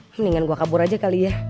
mendingan gue kabur aja kali ya